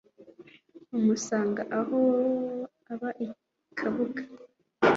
amusanga aho aba i Kabuga